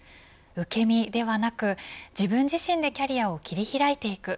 受け身ではなく自分自身でキャリアを切り開いていく。